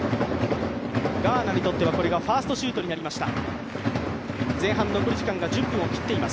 ガーナにとってはこれがファーストシュートになりました。